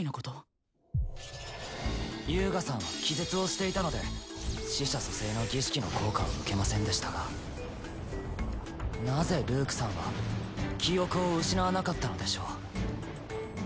遊我さんは気絶をしていたので死者蘇生の儀式の効果を受けませんでしたがなぜルークさんは記憶を失わなかったのでしょう。